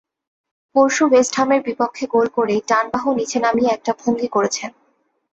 পরশু ওয়েস্টহামের বিপক্ষে গোল করেই ডান বাহু নিচে নামিয়ে একটা ভঙ্গি করেছেন।